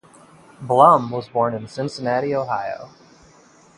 Blum was born in Cincinnati, Ohio.